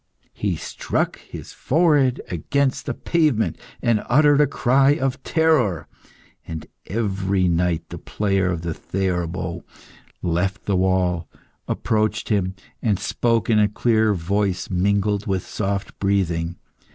He struck his forehead against the pavement, and uttered a cry of terror. And every night the player of the theorbo left the wall, approached him, and spoke in a clear voice mingled with soft breathing.